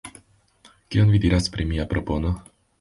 Kion vi diras pri mia propono?